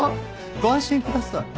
ご安心ください。